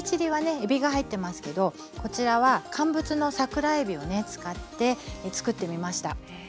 えびが入ってますけどこちらは乾物の桜えびを使って作ってみました。